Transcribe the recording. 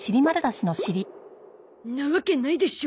んなわけないでしょ。